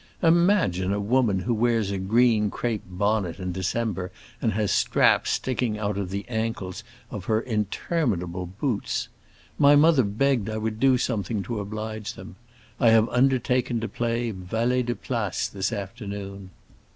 Imagine a woman who wears a green crape bonnet in December and has straps sticking out of the ankles of her interminable boots! My mother begged I would do something to oblige them. I have undertaken to play valet de place this afternoon.